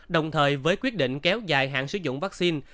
đồng thời với quyết định kéo dài hạn sử dụng vaccine